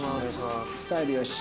スタイル良し。